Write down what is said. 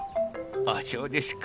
あそうですか。